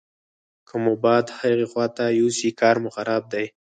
که مو باد هغې خواته یوسي کار مو خراب دی.